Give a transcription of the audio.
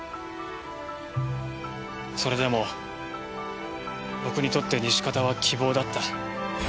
それでも僕にとって西片は希望だった。